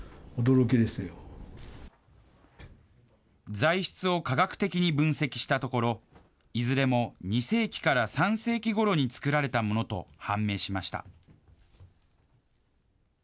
材質を科学的に分析したところ、いずれも２世紀から３世紀ごろに作られたものと判明しました。